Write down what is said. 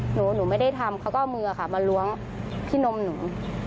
หนูไม่ได้ทำเขาก็เอามือค่ะมาล้วงพี่นมหนู